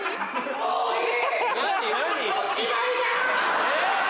もういい！